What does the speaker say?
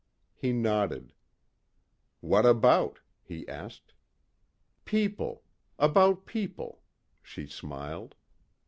He nodded. "What about?" he asked. "People. About people," she smiled.